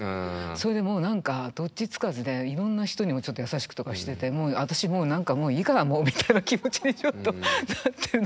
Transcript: それでもう何かどっちつかずでいろんな人にもちょっと優しくとかしてて「私もう何かもういいかもう」みたいな気持ちにちょっとなってんのかなって。